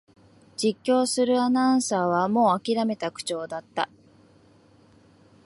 実況するアナウンサーはもうあきらめた口調だった